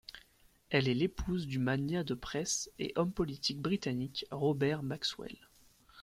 Elle est l'épouse du magnat de presse et homme politique britannique Robert Maxwell.